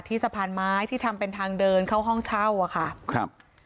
สะพานไม้ที่ทำเป็นทางเดินเข้าห้องเช่าอ่ะค่ะครับ